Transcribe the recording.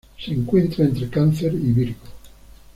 Se encuentra entre Cáncer y Virgo.